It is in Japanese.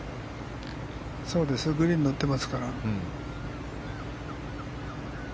そうですよグリーンに乗ってますから。